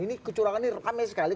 ini kecurangan ini rame sekali